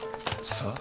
さあ？